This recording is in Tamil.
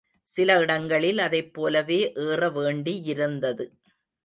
சில இடங்களில் அதைப் போலவே ஏற வேண்டியிருந்தது.